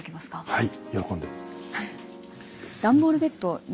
はい。